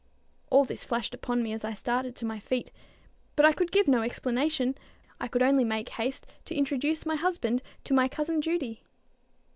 All this flashed upon me as I started to my feet: but I could give no explanation; I could only make haste to introduce my husband to my cousin Judy.